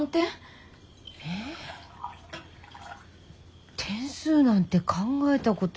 えぇ点数なんて考えたこと。